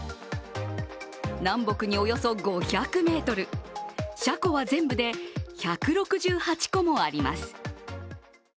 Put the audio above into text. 南北におよそ５００ｍ、車庫は全部で１６８個もあります。